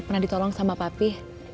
pernah ditolong sama papi